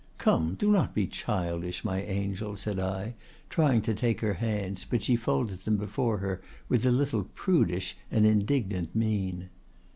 —'Come, do not be childish, my angel,' said I, trying to take her hands; but she folded them before her with a little prudish and indignant mein.